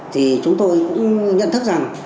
thì chúng tôi cũng nhận thức rằng